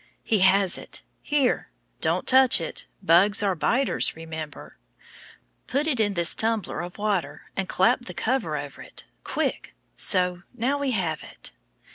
He has it! Here, don't touch it, bugs are biters, remember. Put it in this tumbler of water, and clap the cover over it quick so! now we have it.